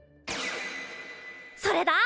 それだ！